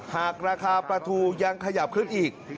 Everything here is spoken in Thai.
หากราคาปลาทูยังขยับขึ้นอีก